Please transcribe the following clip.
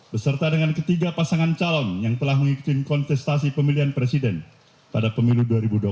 beserta dengan ketiga pasangan calon yang telah mengikuti kontestasi pemilihan presiden pada pemilu dua ribu dua puluh empat